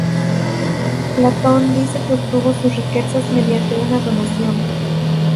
Platón dice que obtuvo sus riquezas mediante una donación.